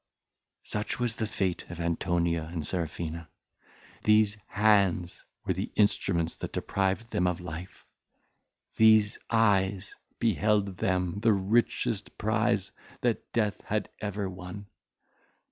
Such was the fate of Antonia and Serafina; these hands were the instruments that deprived them of life, these eyes beheld them the richest prize that death had ever won.